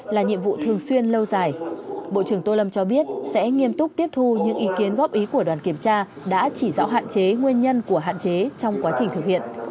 là nhiệm vụ thường xuyên lâu dài bộ trưởng tô lâm cho biết sẽ nghiêm túc tiếp thu những ý kiến góp ý của đoàn kiểm tra đã chỉ rõ hạn chế nguyên nhân của hạn chế trong quá trình thực hiện